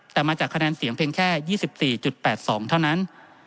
แต่มาจากคะแนนเสียงเพียงแค่๒๔๘๒เท่านั้น